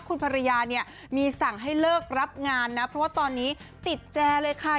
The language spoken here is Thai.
คุณภรรยาเนี่ยมีสั่งให้เลิกรับงานนะเพราะว่าตอนนี้ติดแจเลยค่ะ